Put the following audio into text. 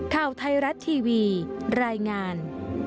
ข่าวไทยรัฐทีวีรายงาน